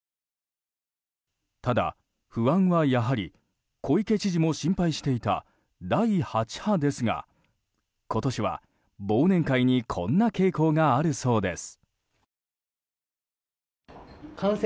ただ、不安はやはり小池知事も心配していた第８波ですが今年は、忘年会にこんな傾向があるそうです。